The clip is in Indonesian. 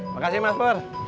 makasih mas pur